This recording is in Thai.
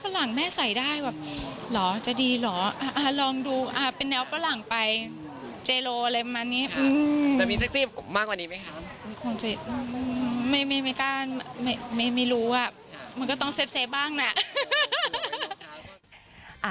คงจะไม่กล้าไม่รู้อ่ะมันก็ต้องเซฟบ้างนะ